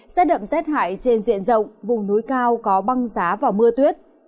sẽ đậm rét hải trên diện rộng vùng núi cao có băng giá và mưa tuyết